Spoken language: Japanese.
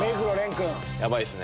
やばいですね。